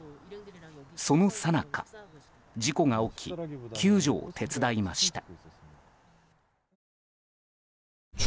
そのさなか、事故が起き救助を手伝いました。